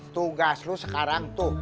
tugas lo sekarang tuh